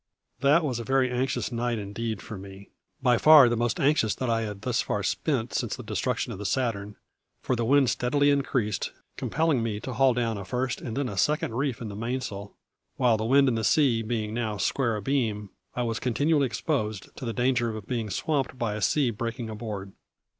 That was a very anxious night indeed for me; by far the most anxious that I had thus far spent since the destruction of the Saturn, for the wind steadily increased, compelling me to haul down a first and then a second reef in the mainsail, while the wind and sea being now square abeam I was continually exposed to the danger of being swamped by a sea breaking aboard.